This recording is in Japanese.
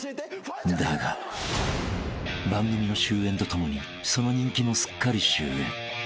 ［だが番組の終焉とともにその人気もすっかり終焉］